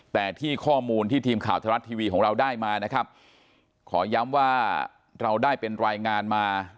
มีข้อมูลที่ทีมข่าวธรรมรัฐทีวีของเราได้มาขอย้ำว่าเราได้เป็นรายงานมา